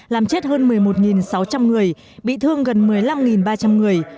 làm chết hơn một mươi một sáu trăm linh người bị thương gần một mươi năm ba trăm linh người